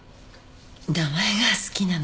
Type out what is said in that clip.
名前が好きなので。